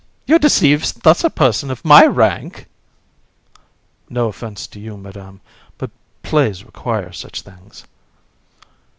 you deceive thus a person of my rank! VISC. No offence to you, Madam, but plays require such things.